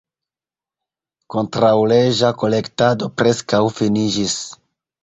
Kontraŭleĝa kolektado preskaŭ finiĝis.